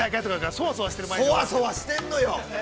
◆そわそわしてんのよ。